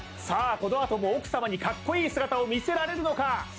このあとも奥様にカッコイイ姿を見せられるのか？